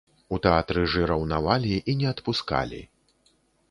У тэатры ж і раўнавалі, і не адпускалі!